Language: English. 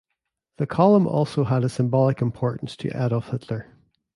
The column also had a symbolic importance to Adolf Hitler.